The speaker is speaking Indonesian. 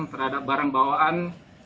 terhadap barang bawaan